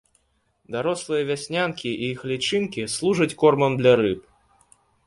Дарослыя вяснянкі і іх лічынкі служаць кормам для рыб.